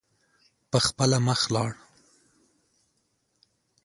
په خپله مخ لاړ.